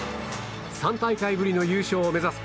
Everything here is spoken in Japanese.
３大会ぶりの優勝を目指す